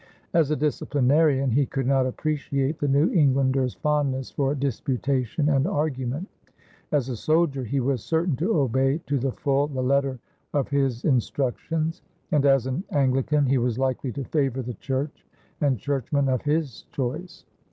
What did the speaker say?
As a disciplinarian, he could not appreciate the New Englander's fondness for disputation and argument; as a soldier, he was certain to obey to the full the letter of his instructions; and, as an Anglican, he was likely to favor the church and churchmen of his choice.